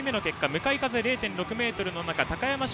向かい風０．６メートルの中高山峻